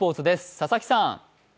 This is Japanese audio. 佐々木さん。